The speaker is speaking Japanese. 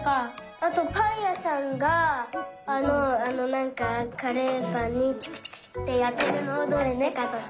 あとパンやさんがあのあのなんかカレーパンにチクチクチクってやってるのはどうしてかとか。